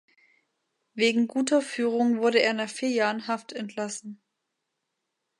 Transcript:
Wegen guter Führung wurde er nach vier Jahren Haft entlassen.